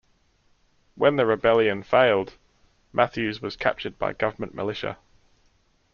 When the rebellion failed, Matthews was captured by government militia.